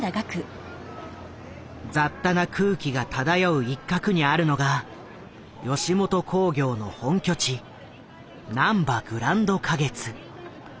雑多な空気が漂う一角にあるのが吉本興業の本拠地「なんばグランド花月」。